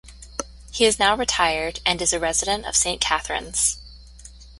He is now retired, and is a resident of Saint Catharines.